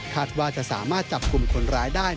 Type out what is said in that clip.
ว่าจะสามารถจับกลุ่มคนร้ายได้